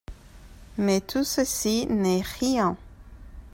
Mais tout ceci n'est rien.